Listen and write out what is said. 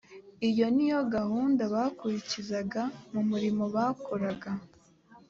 iyo ni yo gahunda bakurikizaga mu murimo bakoraga